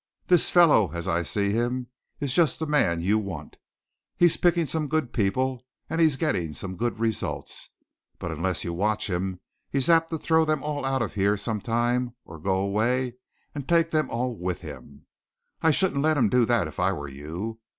This fellow, as I see him, is just the man you want. He's picking some good people and he's getting some good results, but unless you watch him he's apt to throw them all out of here sometime or go away and take them all with him. I shouldn't let him do that if I were you.